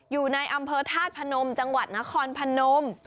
อยู่ในอำเภอธาตุพนมจังหวัดนครพนม